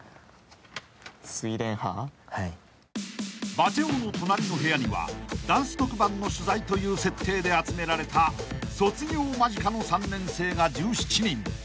［バチェ男の隣の部屋にはダンス特番の取材という設定で集められた卒業間近の３年生が１７人］